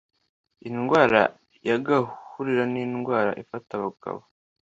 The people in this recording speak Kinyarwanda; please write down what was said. Indwara y’Agahurura ni indwara ifata abagabo